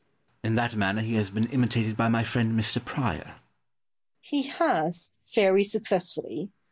Pope. In that manner he has been imitated by my friend Mr. Prior. Boileau. He has, very successfully.